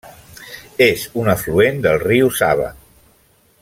És un afluent del riu Sava.